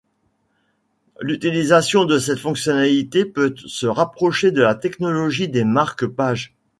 L'utilisation de cette fonctionnalité peut se rapprocher de la technologie des marque-pages.